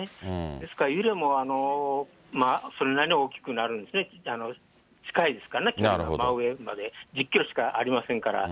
ですから揺れも、それなりに大きくなるんですね、近いですからね、真上まで１０キロしかありませんから。